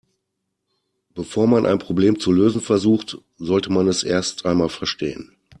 Bevor man ein Problem zu lösen versucht, sollte man es erst einmal verstehen.